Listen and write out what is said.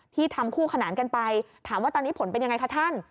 ที่ทำคู่ขนานกันไปถามว่าตอนนี้ผลเป็นยังไงคะท่าน